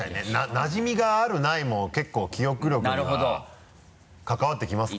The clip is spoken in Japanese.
なじみがあるないも結構記憶力にはかかわってきますか？